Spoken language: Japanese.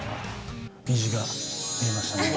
虹が見えましたね。